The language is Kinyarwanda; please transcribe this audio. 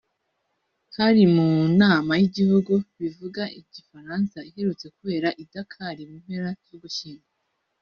hari mu nama y’Ibihugu bivuga igifaransa iherutse kubera i Dakar mu mpera z’Ugushyingo